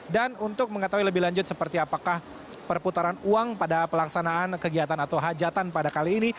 dan untuk mengetahui lebih lanjut seperti apakah perputaran uang pada pelaksanaan kegiatan atau hajatan pada kali ini